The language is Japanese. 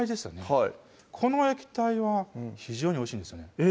はいこの液体は非常においしいんですよね